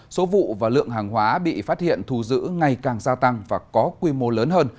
số vụ và lượng hàng hóa bị phát hiện thù giữ ngày càng gia tăng và có quy mô lớn hơn